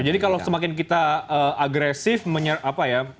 jadi kalau semakin kita agresif apa ya